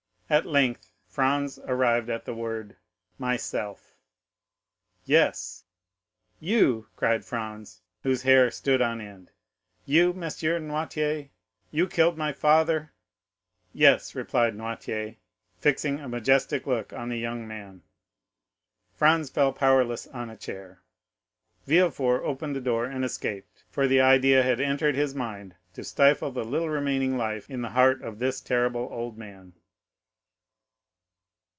At length, Franz arrived at the word MYSELF. 40046m "Yes!" "You!" cried Franz, whose hair stood on end; "you, M. Noirtier—you killed my father?" "Yes!" replied Noirtier, fixing a majestic look on the young man. Franz fell powerless on a chair; Villefort opened the door and escaped, for the idea had entered his mind to stifle the little remaining life in the heart of this terrible old man.